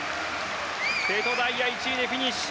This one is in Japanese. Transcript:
瀬戸大也、１位でフィニッシュ。